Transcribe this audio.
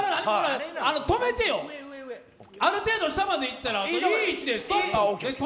止めてよ、ある程度下までいったら、いい位置で。